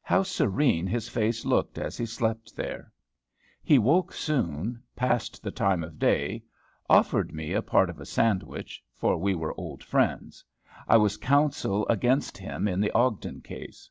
How serene his face looked as he slept there! He woke soon, passed the time of day, offered me a part of a sandwich, for we were old friends, I was counsel against him in the Ogden case.